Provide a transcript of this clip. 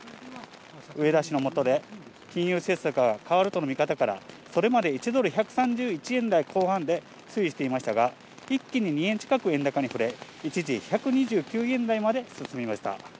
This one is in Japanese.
植田氏の下で、金融政策が変わるとの見方から、それまで１ドル１３１円台後半で推移していましたが、一気に２円近く円高に振れ、一時１２９円台まで進みました。